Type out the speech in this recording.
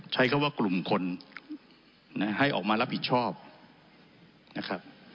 ใช้คำว่ากลุ่มคนให้ออกมารับผิดชอบนะครับ